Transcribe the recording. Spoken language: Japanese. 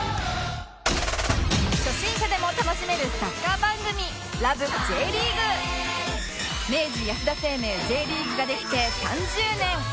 初心者でも楽しめるサッカー番組明治安田生命 Ｊ リーグができて３０年！